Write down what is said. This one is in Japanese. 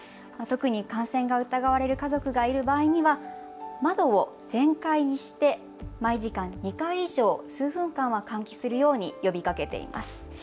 特に感染が疑われる家族がいる場合には窓を全開にして毎時間２回以上、数分間は換気するように呼びかけています。